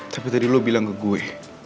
tapi tadi lo bilang ke gue